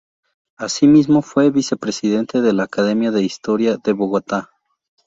Asimismo, fue vicepresidente de la Academia de Historia de Bogotá.